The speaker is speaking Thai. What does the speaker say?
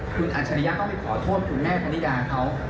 คุณอัจฉริยะก็ไปขอโทษคุณแม่พนิดาเขา